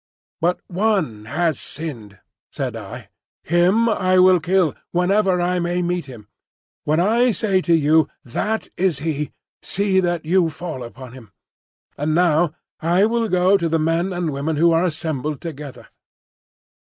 "But one has sinned," said I. "Him I will kill, whenever I may meet him. When I say to you, 'That is he,' see that you fall upon him. And now I will go to the men and women who are assembled together."